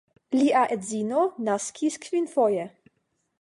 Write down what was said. Lia edzino naskis kvinfoje.